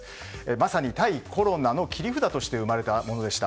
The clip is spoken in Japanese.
まさに対コロナの切り札として生まれたものでした。